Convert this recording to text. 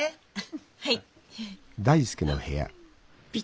はい。